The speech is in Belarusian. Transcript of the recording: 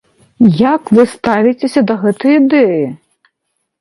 Як вы ставіцеся да гэтай ідэі?